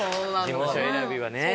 事務所選びはね。